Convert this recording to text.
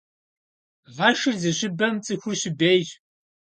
Гъэшыр зыщыбэм цӀыхур щыбейщ.